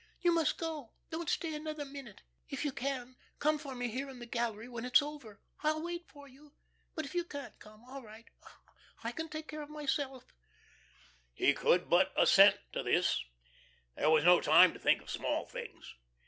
You must go. Don't stay another minute. If you can, come for me here in the gallery, when it's over. I'll wait for you. But if you can't come, all right. I can take care of myself." He could but assent to this. This was no time to think of small things.